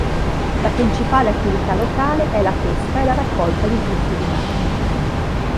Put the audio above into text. La principale attività locale è la pesca e la raccolta di frutti di mare.